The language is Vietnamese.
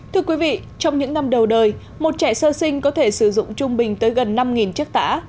thưa quý vị trong những năm đầu đời một trẻ sơ sinh có thể sử dụng trung bình tới gần năm chất tả